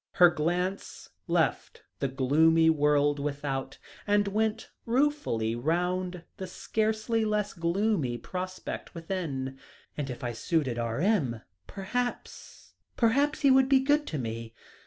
Her glance left the gloomy world without, and went ruefully round the scarcely less gloomy prospect within. "And if I suited R.M. perhaps perhaps, he would be good to me.